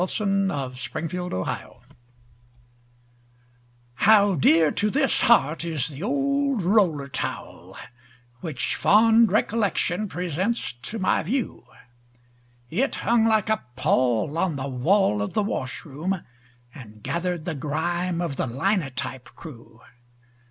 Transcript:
THE OLD ROLLER TOWEL How dear to this heart is the old roller towel Which fond recollection presents to my view. It hung like a pall on the wall of the washroom, And gathered the grime of the linotype crew.